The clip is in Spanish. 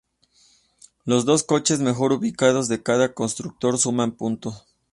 Los dos coches mejor ubicados de cada constructor suman puntos.